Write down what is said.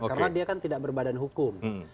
karena dia kan tidak berbadan hukum